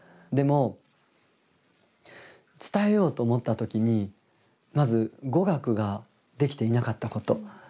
でも伝えようと思った時にまず語学ができていなかったこと。